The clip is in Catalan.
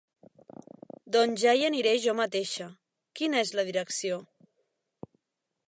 Doncs ja hi aniré o mateixa, quina és la direcció?